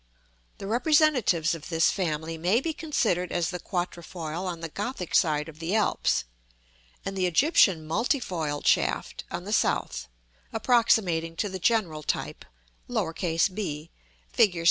The representatives of this family may be considered as the quatrefoil on the Gothic side of the Alps; and the Egyptian multifoiled shaft on the south, approximating to the general type, b, Fig.